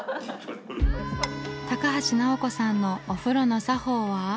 高橋尚子さんのお風呂の作法は。